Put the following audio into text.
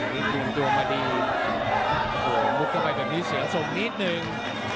หยุดตัวมาดีหยุดเข้าไปตอนนี้เสียสมนิดนึง